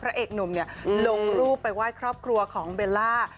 พระเอกหนุ่มลงรูปไปไหว้ครอบครัวของเบลล่า